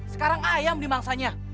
sekarang ayam dimangsanya